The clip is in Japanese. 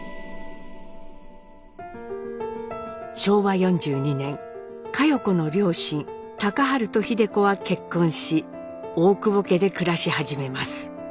昭和４２年佳代子の両親隆治と秀子は結婚し大久保家で暮らし始めます。